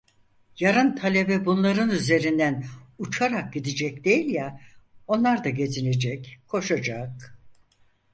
Yarın talebe bunların üzerinden uçarak gidecek değil ya, onlar da gezinecek, koşacak…